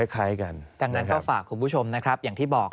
คล้ายกันดังนั้นก็ฝากคุณผู้ชมนะครับอย่างที่บอก